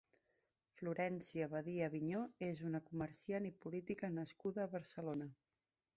Florencia Badia Aviño és una comerciant i política nascuda a Barcelona.